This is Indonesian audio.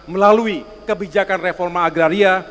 melalui kebijakan reforma agraria